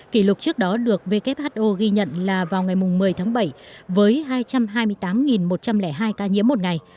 kỷ lục trước đó được who ghi nhận là vào ngày một mươi tháng bảy với hai trăm hai mươi tám một trăm linh hai ca nhiễm một ngày